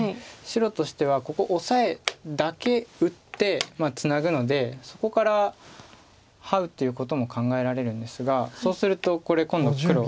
白としてはここオサエだけ打ってツナぐのでそこからハウということも考えられるんですがそうするとこれ今度黒。